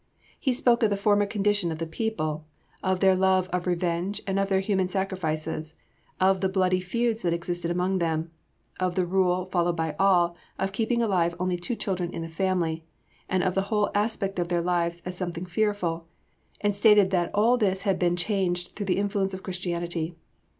"He spoke of the former condition of the people, of their love of revenge and of their human sacrifices, of the bloody feuds that existed among them, of the rule, followed by all, of keeping alive only two children in the family, and of the whole aspect of their lives as something fearful; and stated that all this had been changed through the influence of Christianity.